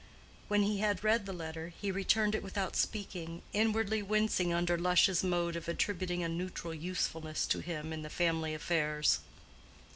When he had read the letter, he returned it without speaking, inwardly wincing under Lush's mode of attributing a neutral usefulness to him in the family affairs.